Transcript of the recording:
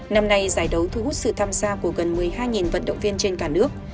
năm nay giải đấu thu hút sự tham gia của gần một mươi hai vận động viên trên cả nước